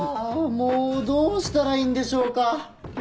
もうどうしたらいいんでしょうか。